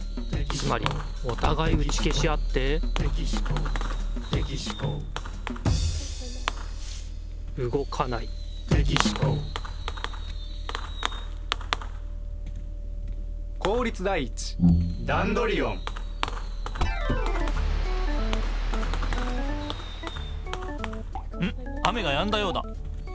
つまりおたがいうちけしあってうごかないんっ雨がやんだようだ。